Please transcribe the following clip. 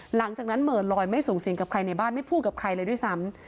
หลังจากนั้นเหมือนลอยไม่สูงสิงกับใครในบ้านไม่พูดกับใครเลยด้วยซ้ำ